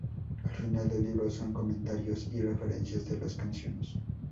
Al final del libro son comentarios y referencias de las canciones.